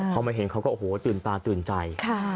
พอมาเห็นเขาก็โอ้โหตื่นตาตื่นใจ